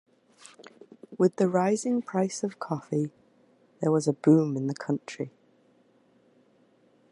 With the rising price of coffee, there was a boom in the country.